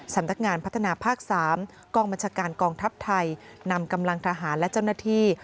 สำนักงานพัฒนาภาค๓กองบัญชาการกองทัพไทยนำกำลังทหารและเจ้าหน้าที่